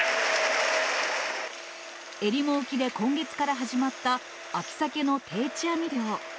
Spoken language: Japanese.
えりも沖で今月から始まった秋サケの定置網漁。